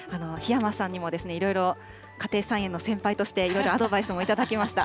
檜山さんにもいろいろ家庭菜園の先輩として、いろいろアドバイスも頂きました。